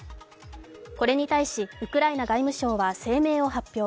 これに対し、ウクライナ外務省は声明を発表。